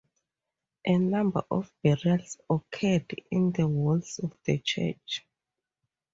A number of burials occurred in the walls of the church.